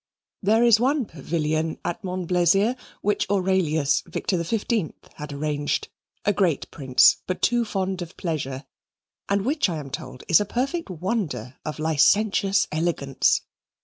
There is one Pavilion at Monblaisir which Aurelius Victor XV had arranged a great Prince but too fond of pleasure and which I am told is a perfect wonder of licentious elegance.